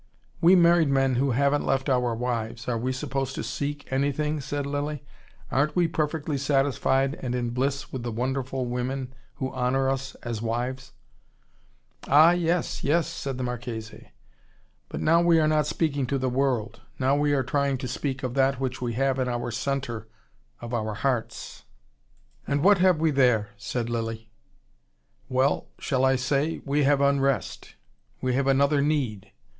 "We married men who haven't left our wives, are we supposed to seek anything?" said Lilly. "Aren't we perfectly satisfied and in bliss with the wonderful women who honour us as wives?" "Ah, yes, yes!" said the Marchese. "But now we are not speaking to the world. Now we try to speak of that which we have in our centre of our hearts." "And what have we there?" said Lilly. "Well shall I say? We have unrest. We have another need.